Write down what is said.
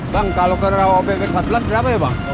bang kalau kerawau pp empat belas berapa ya bang